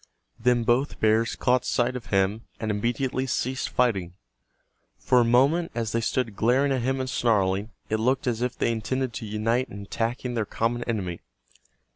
Then both bears caught sight of him, and immediately ceased fighting. For a moment, as they stood glaring at him and snarling, it looked as if they intended to unite in attacking their common enemy.